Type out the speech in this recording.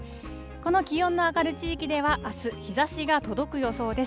この気温の上がる地域では、あす、日ざしが届く予想です。